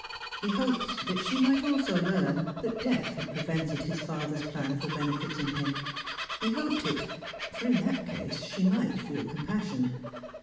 He hoped that she might also learn that death had prevented his father's plan for benefiting him. He hoped it; for in that case she might feel compassion.